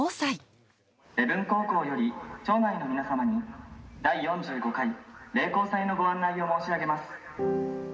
礼文高校より町内の皆様に、第４５回礼高祭のご案内を申し上げます。